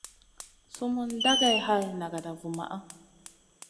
Sumun dagey hay nagada vumaʼa.